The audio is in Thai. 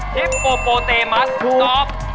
ทิปโปโปเตมัสตอบ